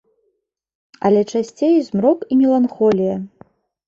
Але часцей змрок і меланхолія.